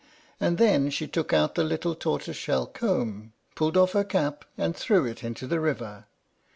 And then she took out the little tortoise shell comb, pulled off her cap, and threw it into the river.